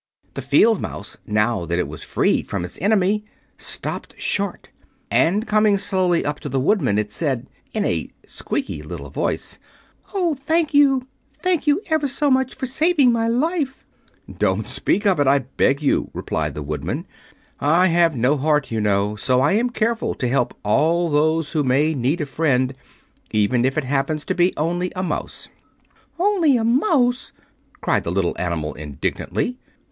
The field mouse, now that it was freed from its enemy, stopped short; and coming slowly up to the Woodman it said, in a squeaky little voice: "Oh, thank you! Thank you ever so much for saving my life." "Don't speak of it, I beg of you," replied the Woodman. "I have no heart, you know, so I am careful to help all those who may need a friend, even if it happens to be only a mouse." "Only a mouse!" cried the little animal, indignantly.